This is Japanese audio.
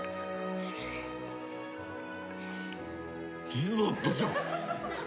リゾットじゃん。